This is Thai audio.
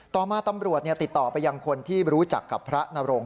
ต่อมาตำรวจติดต่อไปยังคนที่รู้จักกับพระนรงค